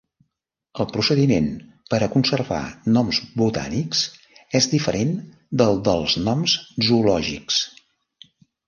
El procediment per a conservar noms botànics és diferent del dels noms zoològics.